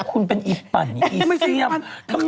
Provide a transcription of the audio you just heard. อ๋อเธอเป็นคนตรงไปตรงไป